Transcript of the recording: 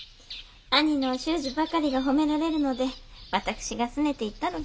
兄のお習字ばかりが褒められるので私がすねて言ったのです。